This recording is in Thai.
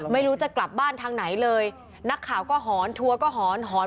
ไม่รู้จะกลับบ้านทางไหนเลยนักข่าวก็หอนทัวร์ก็หอนหอน